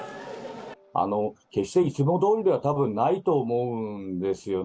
決していつもどおりではたぶんないと思うんですよね。